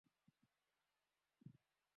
ভাই আমাকেও বলো না, ভাই।